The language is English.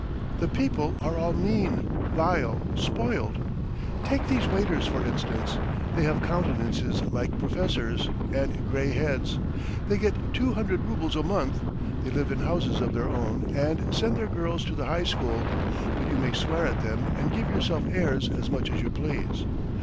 The people are all mean, vile, spoilt. Take these waiters, for instance. They have countenances like professors, and grey heads; they get two hundred roubles a month, they live in houses of their own and send their girls to the high school, but you may swear at them and give yourself airs as much as you please.